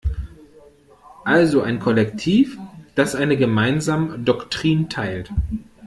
Also ein Kollektiv, das eine gemeinsame Doktrin teilt.